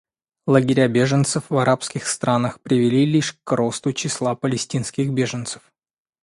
Лагеря беженцев в арабских странах привели лишь к росту числа палестинских беженцев.